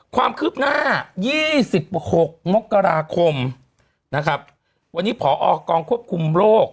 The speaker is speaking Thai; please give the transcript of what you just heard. ความคืบหน้า๒๖มกราคมนะครับวันนี้ผอกองควบคุมโรค